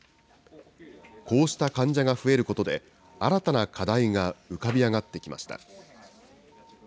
こうした患者が増えることで、新たな課題が浮かび上がってきました。